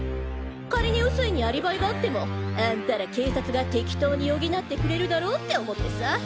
仮に臼井にアリバイがあってもあんたら警察が適当に補ってくれるだろうって思ってさ！